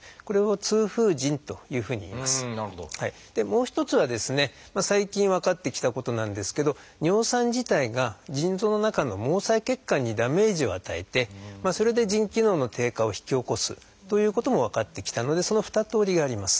もう一つはですね最近分かってきたことなんですけど尿酸自体が腎臓の中の毛細血管にダメージを与えてそれで腎機能の低下を引き起こすということも分かってきたのでその二通りがあります。